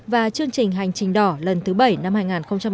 và chương trình hành trình đỏ lần thứ bảy năm hai nghìn một mươi chín